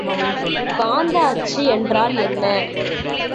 காந்த அச்சு என்றால் என்ன?